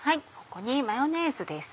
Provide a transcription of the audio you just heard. ここにマヨネーズです。